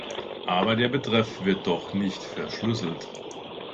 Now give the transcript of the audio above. Aber der Betreff wird doch nicht verschlüsselt.